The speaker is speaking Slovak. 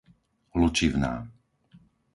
Lučivná